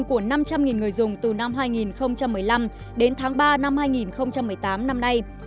của năm trăm linh người dùng từ năm hai nghìn một mươi năm đến tháng ba năm hai nghìn một mươi tám năm nay